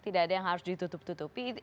tidak ada yang harus ditutup tutupi